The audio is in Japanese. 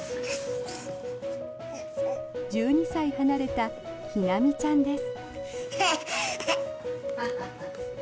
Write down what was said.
１２歳離れた陽心ちゃんです。